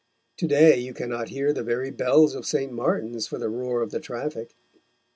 To day you cannot hear the very bells of St. Martin's for the roar of the traffic.